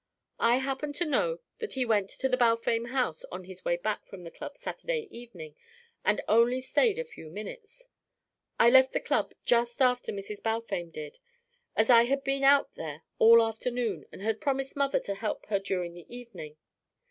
I happen to know that he went to the Balfame house on his way back from the club Saturday evening, and only stayed a few minutes. I left the club just after Mrs. Balfame did, as I had been out there all afternoon and had promised mother to help her during the evening.